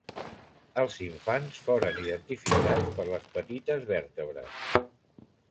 Els infants foren identificats per les petites vèrtebres.